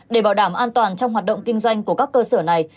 để bảo đảm an toàn trong hoạt động kinh doanh của các cơ sở này